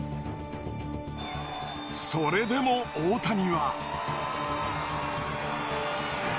それでも大谷は。